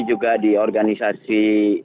juga di organisasi